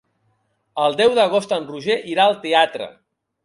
El deu d'agost en Roger irà al teatre.